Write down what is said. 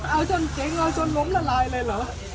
เอาจนเจ๋งเอาจนล้มละลายเลยเหรอ